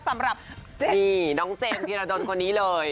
สำหรับนี่น้องเจมส์ธีรดลคนนี้เลย